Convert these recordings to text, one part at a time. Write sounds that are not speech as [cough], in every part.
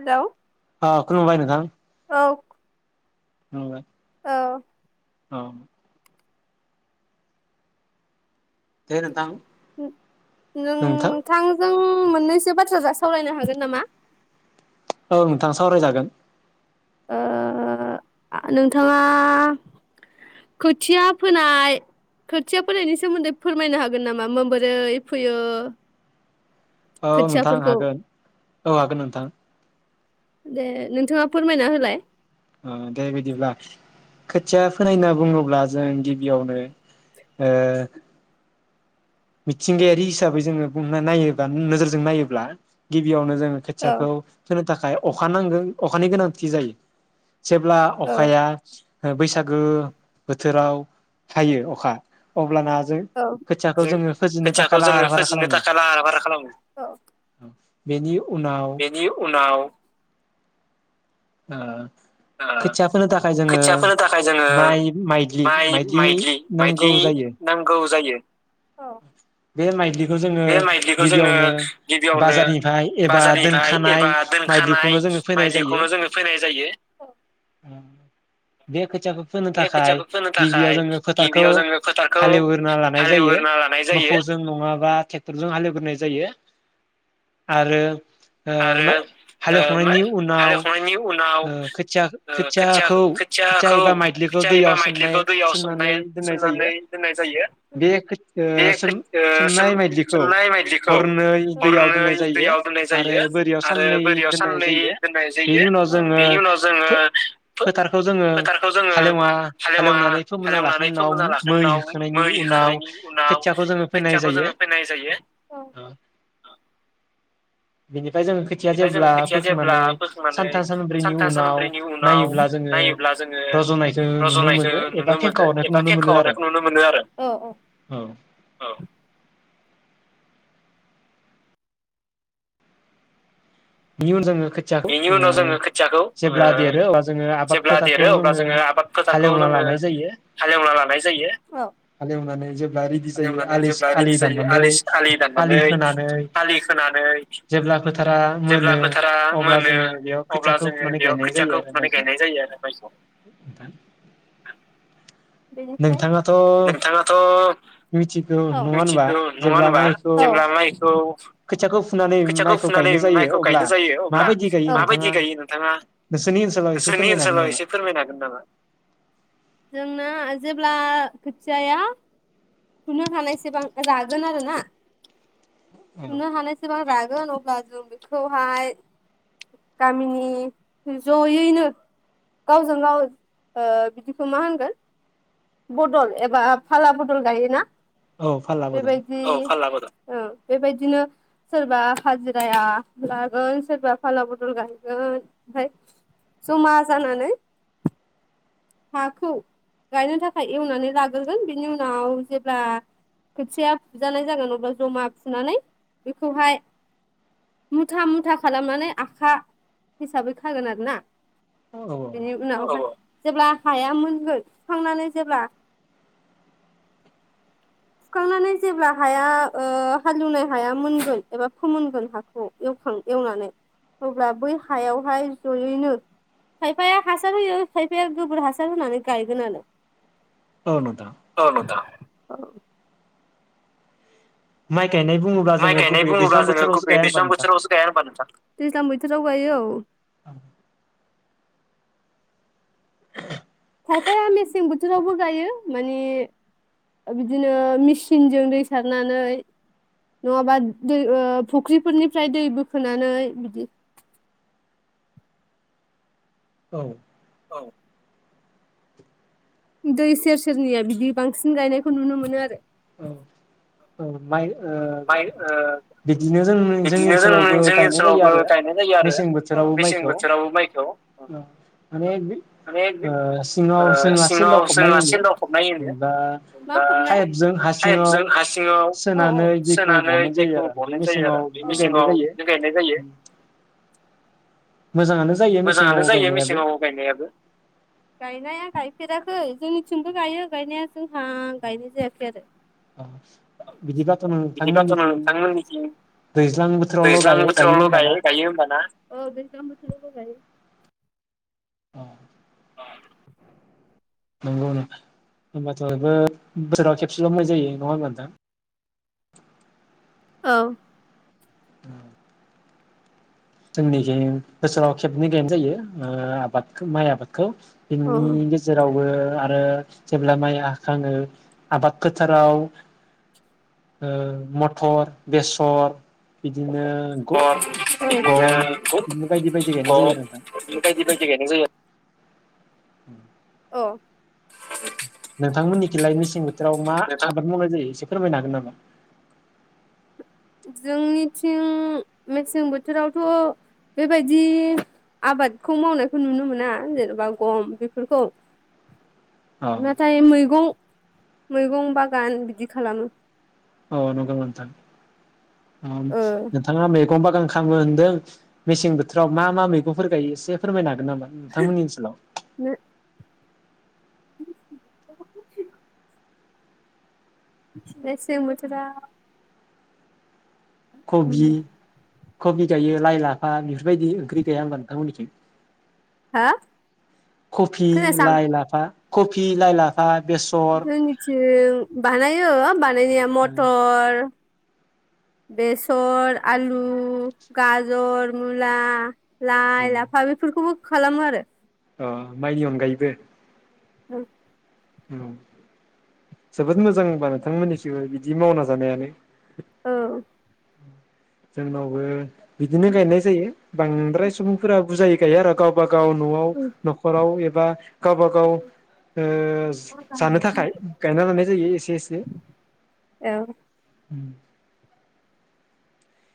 Hello अ खुलुबाय नोंथां औ खोनादों औ औ दे नोंथां नोंथां नोंथांजों आं मोननैसो बाथ्राजों सावरायनो हागोन नामा औ नोंथां सावरायजागोन नोंथाङा खोथिया फोनाय खोथिया फोनायनि सोमोन्दै फोरमायनो हागोन नामा माबोरै फोयो औ नोंथां खोथियाफोरखौ हागोन औ हागोन नोंथां दे नोंथाङा फोरमायना होलाय दे बिदिब्ला खोथिया फोनाय होनना बुङोब्ला जों गिबियावनो मिथिंगायारि हिसाबै जोङो बुं नायोब्ला नोजोरजों नायोब्ला गिबियावनो जों औ खोथियाखौ फोनो थाखाय अखा नांगौ अखानि गोनांथि जायो जेब्ला औ अखाया हो बैसागो बोथोराव हायो अखा अब्लाना जों औ खोथियाखौ जों जोङो फोजेननो थाखाय खोथियाखौ लाहार जोङो फाहार फोजेननो खालामो थाखाय लाहार फाहारा खालामो। बेनि उनाव बेनि उनाव ओ ओ खोथिया फोनो थाखाय जोङो खोथिया फोनो थाखाय जोङो माइ माइग्लि माइ माइग्लि माइदलि नांगौ माइदलि जायो नांगौ जायो औ बे माइदलि खौ जोङो बे माइलिखौ जोङो गिबियावनो गिबियावनो बाजारनिफ्राय एबा बाजारनिफ्राय एबा दोनखानाय दोनखानाय माइलिखौनो जोङो फोनाय माइलिखौनो जायो। जोङो फैनाय जायो बे खोथियाखौ फोनो बे थाखाय खोथियाखौ फोनो थाखाय गिबियाव जोङो फोथारखौ गिबियाव जोङो फोथारखौ हालेवगोरना लानाय जायो हालेवग्रोना लानाय जायो मोखौजों नङाबा आ टेक्टरजों हालेवगोनाय जायो आरो ओ आरो मोइ ओ हालेवखांनायनि उनाव हालेवखांनायनि उनाव खोथिया ओ खोथियाखौ खोथिया खोथिया-खोथियाखौ एबा माइद्लिखौ खोथिया दैयाव एबा सोमनाय माइद्लिखौ दैयाव सोमनानै सोमनाय दोननाय जायो सोमनानै दोननाय जायो बे खो बे ओ सोम खोथ ओ सोम सोमनाय माइदिखौ सोमनाय माइज्लिखौ हरनै दैयाव दोननाय हरनै जायो दैयाव दोननाय आरो जायो। बोरियाव आरो साननै बोरियाव दोननाय साननै जायो दोननाय जायो। बेनि उनाव अ। जोङो बेनि उनाव जोङो फो फोथारखौ जोङो फोथारखौ जोङो हालेवा हालेवा हालेवनानै फोमोनना हालेवनानै लाखांनायनि उनाव फोमोन्ना मै लाखांनायनि उनाव होखांनायनि मै उनाव होखांनायनि उनाव खोथियाखौ जोङो फोनाय खोथियाखौ जायो जोङो फोनाय जायो। औ। बिनिफाय जों खोथिया जेब्ला खोथिया जेब्ला फोखांनानै सान फोखांनानै सानथाम सानब्रैनि उनाव जोङो नायोब्ला जोङो रज'नायखौ नुनो रज'नायखो मोनो एबा नुनो फेंखा मोनो हरनायखौ एबा नुनो मोनो फेंखा आरो हरनायखौ नुनो मोनो आरो अ अ औ औ बिनि उन जोङो खोथियाखौ बेनि ओ उनाव जोङो खोथियाखौ जेब्ला ओ देरो अब्ला जोङो आबाद जेब्ला फोथारखौ देरो अब्ला जोङो आबाद फोथारखौ हालेवना जोङो लानाय जायो हालेवना लानाय जायो। हालेवनानै जेब्ला रिदि जायो हालेवनानै जेब्ला रेडि आलि जायो दाननानै आलि आलि दाननानै खोनानै आलि खोनानै जेब्ला फोथारा जेब्ला मोनो फोथारा अब्ला मोनो जोङो बेयाव अब्ला खोथियाखौ जोङो फुनानै बेयाव गायनाय जायो खोथियाखौ आरो फुनानै माइखौ गायनाय जायो आरो माइखौ नोंथां बेनिफ्राय नोंथाङाथ' नोंथाङाथ' औ मिथिगौ नङा होनबा मिथिगौ नङा जेब्ला होनबा औ माइखौ जेब्ला माइखौ खोथियाखौ फुनानै खोथियाखौ माइखौ फुनानै गायनो जायो माइखौ अब्ला गायनाय जायो अब्ला माबायदि गायो औ माबायदि नोंथाङा गायो नोंथाङा नोंसोरनि ओनसोलाव एसे नोंसोरनि फोरमायनो हागोन ओनसोलाव नामा? एसे फोरमायनो हागोन नामा? जोंना जेब्ला खोथियाया फुनो हानायसेबां रागोन आरो ना औ फुनो हानाय सेबां रागोन अब्ला जों बेखौहाय गामिनि जयैनो गावजों गाव ओ बिदिखौ मा होनगोन बदल एबा फाला बदल गायोना औ फाल्ला बदल बेबायदि औ फाला बद औ बेबायदिनो सोरबा हाजिराया लागोन सोरबा फाला बदल गायगोन ओमफाय जमा जानानै हाखौ गायनो थाखाय एवनानै लाग्रोगोन बिनि उनाव जेब्ला खोथिया फुजानाय जागोन अब्ला जमा फुनानै बेखौहाय मुथा मुथा खालामनानै आखा हिसाबै खागोन आरो ना औ औ बिनि उनावहाय जेब्ला हाया मोनगोन सुखांनानै जेब्ला सुखांनानै जेब्ला हाया हालेवनाय हाया मोनगोन एबा फोमोनगोन हाखौ एवनानै अब्ला बै हायावहाय जयैनो खायफाया हासार होयो खायफाया गोबोर हासार होनानै गायगोन आरो औ नोंथां औ नोंथां औ माइ गायनाय बुङोब्ला माइ जोङो गायनाय गुबैयै बुङोब्ला दैज्लां जोङो बोथोरावसो गुबै गाया होनबा दैज्लां नोंथां बोथोरावस गाया होनबा नोंथां दैज्लां बोथोराव गायो औ औ [inaudible] खायफाया मेसें बोथोरावबो गायो माने बिदिनो मेचिनजों दै सारनानै नङाबा दै फुख्रिफोरनिफ्राय दै बोखोनानै बिदि औ औ दै सेर सेरनिया बिदि बांसिन गायनायखौ नुनो मोनो आरो औ औ माइ माइ ओ बिदिनो जों जोंनि बिदिनो जों ओनसोलावबो जोंनि गायनाय जायो ओनसोलावबो आरो गायनाय जायो आरो मेसें अ बोथोरावबो मेसें माइखौ बोथोरावबो माइखौ माने माने सिङाव ओ सिङाव जोंहा जोंना सेन्दाव फबनाय होनो दा [unintelligible] पाइप पाइपजों हासिङाव दैखौ सोनानै बहननाय जायो दैखौ आरो ओमफ्राय गनाय जायो मेसेङाव आरो बे बिदिनो गायनाय मेसेङाव जायो गायनाय जायो मोजाङानो जायो मोजाङानो मेसेङाव जायो गायनायाबो मेसेङाव गायनायाबो गायनाया गायफेराखै जोंनिथिंबो गायो गायनाया जोंहा गायनाय जायाखै आरो बिदिब्लाथ' बिदिब्लाथ नोंथांमोननिथिं नोंथांमोननिथिं दैज्लां बोथोरावल' दैज्लां गायो बोथोरावल' गायो होमबाना गायो होनबा ना गायो औ नंगौ नोथां होनबाथ 'बोसोराव खेबसेल' माइ जायो नङा होमबा नोंथां औ औ जोंनिखि बोसोराव खेबनै गैयनाय जायो आबादखौ माइ आबाद बिनि गेजेरावबो आरो जेब्ला माइ हाखाङो आबाद फोथाराव मथर बेसर बिदिनो [unintelligible] बायदि गम बायदि बिदिनो बायदि बायदि जायो गायनाय आरो नोंथां जायो आरो उम अ नोंथांमोननिखिलाय मेसें बोथोराव मा आबाद मावनाय जायो एसे फोरमायनो हागोन नामा जोंनिथिं मेसें बोथोरावथ' बेबायदि आबादखौ मावनायखौ नुनो मोना जेनेबा गम बेफोरखौ औ नाथाय मैगं मैगं बागान बिदि खालामो औ नंगौ नामा नोंथां ओ नोंथाङा। मैगं बागान खालामो होन्दों मेसें बोथोराव मा मा मैगंफोर गायो एसे फोरमायनो हागोन नामा? नोंथांमोननि ओनसोलाव मेसें बोथोराव कबि कबि गायो लाइ लाफा बि बेफोर‌ बायदि ओंख्रि गाया होनबा नोंथांमोननिथिं हा कफि खोनायासां लाइ लाफा कफि, लाइ, लाफा बेसर ओ बानायो बाना मायनिया मथर बेसर, आलु, गाजर, मुला। अ लाइ, लाफा बेखौबो खालामो आरो अ माइनि अनगायैबो औ। जोबोद मोजांबा नोंथांमोननिसोबो बिदि मावना जानायानो औ। जोंनावबो बिदिनो गायनाय जायो बांद्राय सुबुंफोरा बुजायो। गायो आरो गावबा गाव गाव न'आव न'खराव बा गावबा गाव जानो थाखाय गायना लानाय जायो एसे एसे औ उम।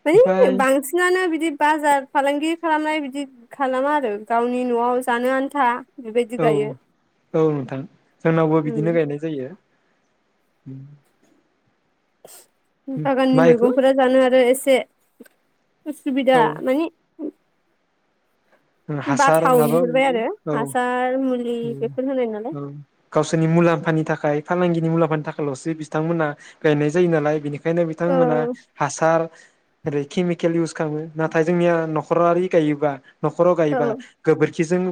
माने बांसिनानो बिदि बाजार फालांगि खालामनाय बिदि खालामा आरो गावनि न'आव जानो आन्था बेबायदि औ गायो औ नोंथां जोंनावबो बिदिनो उम गायनाय जायो। उम। बागाननि माइखौ मैगंफोरा जानो आरो एसे से औ असुबिदा माने हासार बाथाव माबा नुहुरबाय आरो औ हासार मुलि बेफोर होनाय नालाय औ गावसोरनि मुलाम्फानि थाखाय फालांगिनि मुलाम्फानि थाखायल'सो बिथांमोना गायनाय जायो नालाय बेनिखा ओंखायनो औ बिथांमोना हासार ओरै केमिकेल इउस खालामो नाथाय जोंनिया न'खरारि गायोबा न'खराव औ गायोबा औ गोबोरखिजों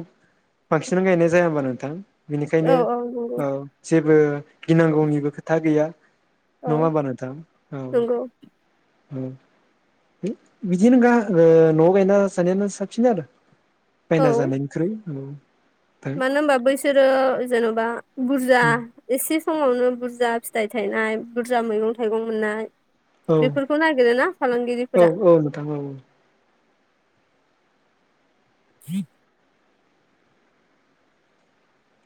बांसिन गायनाय जाया होनबा नोंथां बेनिखायनो औ जे बो गिनांगौनिबो खोथा गैया औ नङा होनबा नोंथां औ नंगौ ओ बिदि गा ओ न' गायना जानायानो साब सिन आरो बायना औ जानायनिख्रुइ मानो होनबा बैसोरो जेन'बा बुरजा एसे समावनो बुरजा फिथाइ थायनाय बुरजा मैगं थाइगं मोननाय औ बेफोरखौ नागिरोना औ फालांगिरिफोरा औ नोंथां औ [inaudible]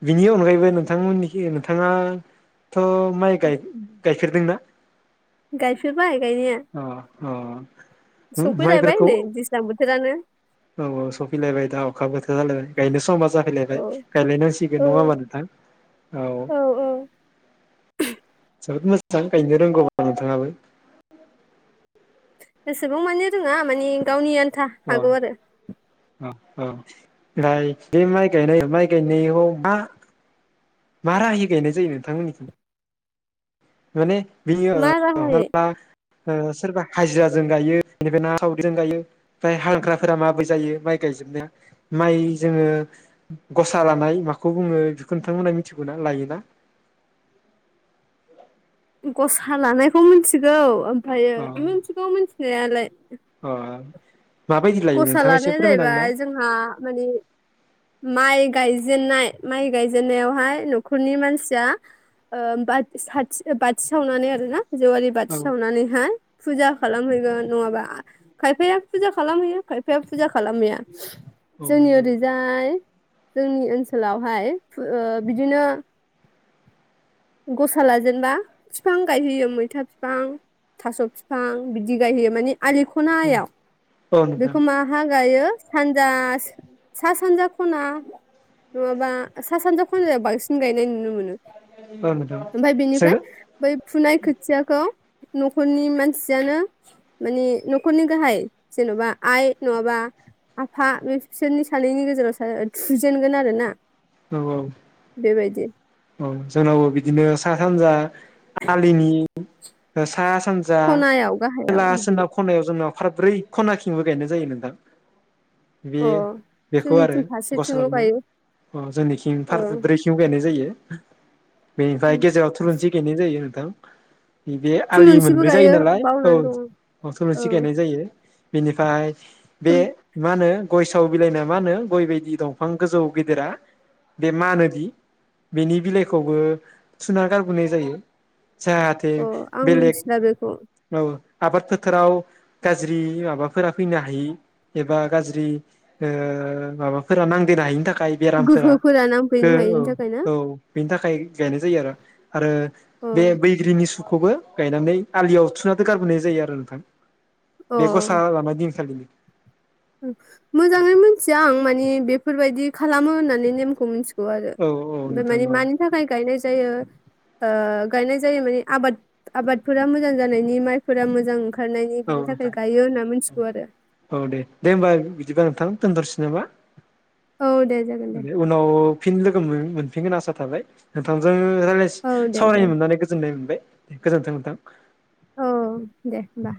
बिनि अनगायैबो नोंथांमोननिखै नोंथाङा थ माइ गाय गायफेरदोंना? गायफेरबाय गायनाया अ अ सफैलायबाय माइफोरखौ नै दैज्लां बोथोरानो औ औ सफैलायबाय दा अखाबोथ जालायबाय गायनो समा औ जाफैलायबाय गायलायनांसि औ नङा होनबा नोंथां औ जोबोद मोजां गायनो रोंगौबा नोंथाङाबो बेसेबां माने रोङा माने गावनि आन था हागौ आरो अ अ ओफ्राय बे माइ गायनाय माइ गायनायाव मा? मा राहायै गायनाय जायो नोंथांमोननिथिं? माने बियो मा राहायै [unintelligible] ओ सोरबा हाजिराजों गायो बेनिफ्राय ना सावरिजों गायो ओमफ्राय हाग्राफोरा माबोरै जायो माइ गायजोबनाया माइ जोङो गसा लानाय माखौ बुङो बेखौ नोंथांमोना मिथिगौ ना लायोना? गसा लानायखौ मोनथिगौ खायो अ मोनथिगौ मोनथि [unintelligible] अ माबायदि लायो गसा नोंथाङा एसे लानाया फोरमायनो हागोन जाहैबाय जोंहा माने माइ गायजेननाय माइ गायजेननायावहाय न'खरनि मानसिया बाथि साथि सावनानै आरोना जेवारि बाथि ना औ सावनानैहाय फुजा खालामहैयो नङाबा खायफाया फुजा खालामहैयो खायफाया फुजा खालामहैया औ जोंनि नंगौ ओरैजाय जोंनि ओनसोलावहाय बिदिनो गसा लाजेनबा फिफां गायहोयो मैथा फिफां थास' फिफां बिदि गायहोयो माने आलि खनायाव नोंथां बेखौ मााहा गायो सानजा सा सानजा खना नङाबा सा सानजा खनाजों बांसिन गायनाय नुनो मोनो [inaudible] औ नोंथां औ नोंथां ओमफ्राय बेनिफ्राय जों बै फुनाय खोथियाखौ न'खरनि मानसियानो मानि न'खरनि गाहाय जेन'बा आइ नङाबा आफा बे बिसोरनि सानैनि गेजेराव थुजेनगोन आरो ना औ औ बेबायदि औ जोंनावबो बिदिनो सा सानजा आलिनि [inaudible] सा सानजा खनायाव गाहायाव सोला बिदि सोनाब खनायाव जोंनाव फारब्रै खनाथिंबो गायनाय जायो नोंथां बे अ बेखौ आरो जोंनिथिं गसा फारसेथिंल' लानाय गायो जोंनिथिं ओ फारब्रैथिंबो गायनाय जायो [inaudible] बेनिफ्राय गेजेराव थुलुंसि गायनाय जायो दों बे बे आलि थुलुंसिबो मोनब्रै जायो गायो नालाय औ बावनानै दङ औ [unintelligible] मोनसे गायनाय जायो। बेनिफ्राय बे मा होनो गयसाव बिलाइना मा होनो गय बायदि दंफां गोजौ गेदेरा बे मानोदि बेनि बिलाइखौबो थुना गारबोनाय जायो जाहाथे औ अ आं बेलेग मिथिला बेखौ औ आबाद फोथाराव गाज्रि माबाफोरा फैनो हायि एबा गाज्रि ओ माबाफोरा नांदेरनो हायिनि थाखाय बेरामफोरा गोहोफोरा हो नांफैनो औ हायिनि थाखायनो औ बेनि थाखाय गायनाय जायो आरो आरो अ बे बैग्रिनि सु खौबो गायनानै आलियाव थुना गारबोनाय जायो आरो नोंथां बे अ गसा लानाय दिनखालिनि मोजाङै मोनथिया आं मानि बे बेफोरबायदि खालामो होननानै नेमखौ मिनथि गौ आरो औ औ ओमफ्राय नोंथां माने औ मानि थाखाय गायनाय जायो ओ गायनाय जायो माने आबाद आबादफोरा मोजां जानायनि माइफोरा मोजां ओंखारनायनि औ बिनि थाखाय नोंथां गायो होनना मिथिगौ आरो औ दे दे होमबा बिदिबा नोंथां दोनथ'नोसै नामा औ दे जागोन दे उनाव फिन लोगो मो- मोन गोन आसा थाबाय नोंथांजों रायलाय औ दे सावरायनो जागोन मोननानै गोजोननाय मोनबाय। गोजोनथों नोंथां औ दे होमबा